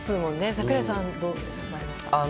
櫻井さん、どう思いますか？